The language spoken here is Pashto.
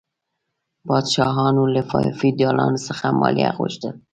پاچاهانو له فیوډالانو څخه مالیه غوښتل.